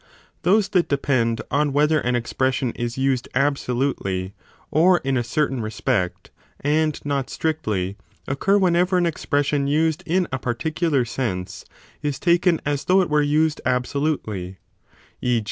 Those that depend on whether an expression is used absolutely or in a certain respect and not strictly, occur whenever an expression used in a particular sense is taken as though it were used absolutely, e.